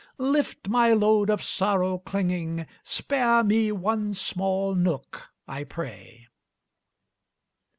Lift my load of sorrow clinging, Spare me one small nook, I pray."